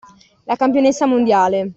La campionessa mondiale.